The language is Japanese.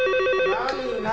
何？